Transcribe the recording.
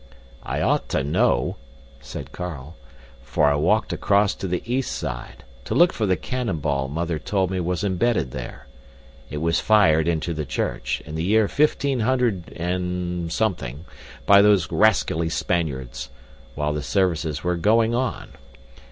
"I ought to know," said Carl, "for I walked across to the east side, to look for the cannonball Mother told me was embedded there. It was fired into the church, in the year fifteen hundred and something, by those rascally Spaniards, while the services were going on.